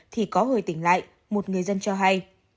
thì có hồi tỉnh lại một người dân cho hay